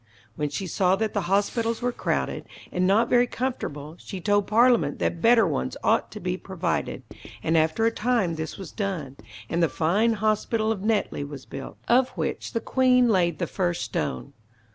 When she saw that the hospitals were crowded, and not very comfortable, she told Parliament that better ones ought to be provided, and after a time this was done, and the fine hospital of Netley was built, of which the Queen laid the first stone.